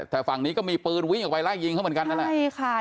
แต่ฝั่งนี้ก็มีปืนวิ่งออกไปไล่ยิงเขาเหมือนกันนั่นแหละใช่ค่ะ